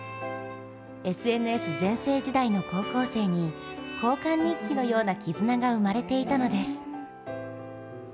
ＳＮＳ全盛時代の高校生に交換日記のような絆が生まれていたのです。